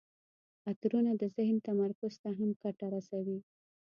عطرونه د ذهن تمرکز ته هم ګټه رسوي.